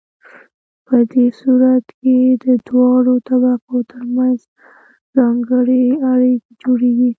په دې صورت کې د دواړو طبقو ترمنځ ځانګړې اړیکې جوړیږي.